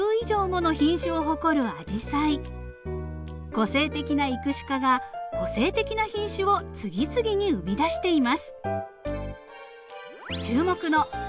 個性的な育種家が個性的な品種を次々に生み出しています。